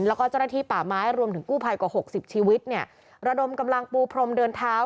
แล้วก็เจ้าหน้าที่ป่าไม้รวมถึงกู้ภัยกว่าหกสิบชีวิตเนี่ยระดมกำลังปูพรมเดินเท้า